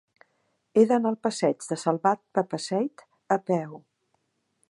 He d'anar al passeig de Salvat Papasseit a peu.